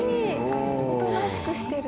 おとなしくしてる。